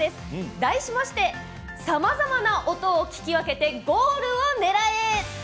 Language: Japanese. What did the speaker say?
題しまして「さまざまな音を聞き分けてゴールを狙え！」。